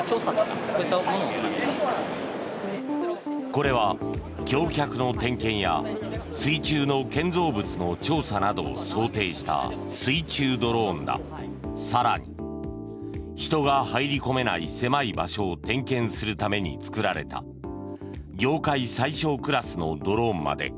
これは橋脚の点検や水中の建造物の調査などを想定した水中ドローンだ更に、人が入り込めない狭い場所を点検するために作られた業界最小クラスのドローンまで。